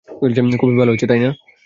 Coffee ভালো হয়েছে না?